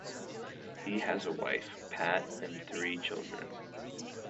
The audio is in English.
He has a wife, Pat, and three children.